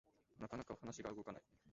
なかなかお話が動かない